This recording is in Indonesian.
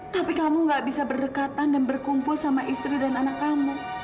tapi kamu gak bisa berdekatan dan berkumpul sama istri dan anak kamu